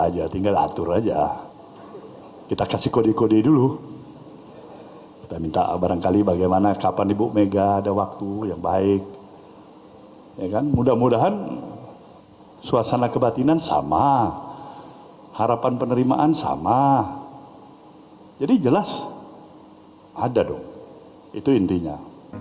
jelas ada dong itu intinya